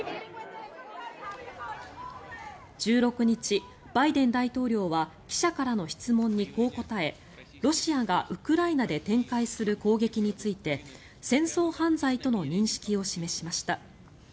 １６日、バイデン大統領は記者からの質問にこう答えロシアがウクライナで展開する攻撃について戦争犯罪との認識を示しました。